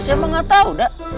saya emang gak tau dah